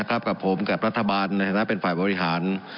กับผมกับรัฐบาลในฐานะเป็นฝ่ายบริหาร